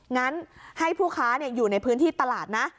งั้นให้ผู้ค้าอยู่ในพื้นที่ตลาดนะ